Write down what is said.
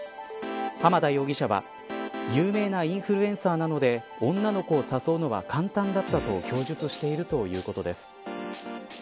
浜田容疑者は有名なインフルエンサーなので女の子を誘うのは簡単だったと供述しているということです。